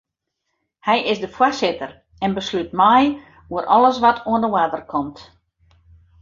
Hy is de foarsitter en beslút mei oer alles wat oan de oarder komt.